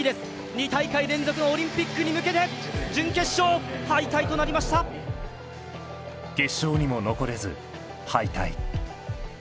２大会連続のオリンピックに向けて準決勝敗退となりました決勝にも残れず敗退